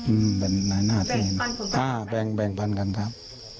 อือเป็นน้ายหน้าที่แบ่งพันคนกันอ่าแบ่งแบ่งพันคนกันครับ